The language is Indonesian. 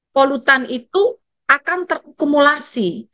polutan itu akan terkumulasi